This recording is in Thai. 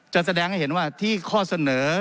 แสดงให้เห็นว่าที่ข้อเสนอ